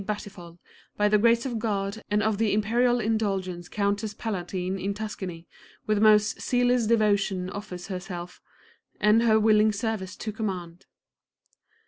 di Battifolle, oy the grace of God and of the Imperial indulgence Countess Palatine in Tuscany, with the most zealous devotion offers herself and her willing service to command.